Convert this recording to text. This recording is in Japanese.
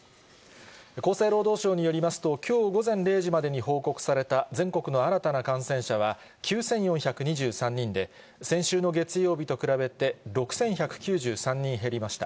厚生労働省によりますと、きょう午前０時までに報告された全国の新たな感染者は９４２３人で、先週の月曜日と比べて６１９３人減りました。